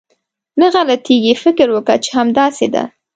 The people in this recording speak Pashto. نه غلطېږي، فکر وکه چې همداسې ده.